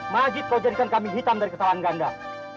majid kau jadikan kami hitam dari kesalahan ganda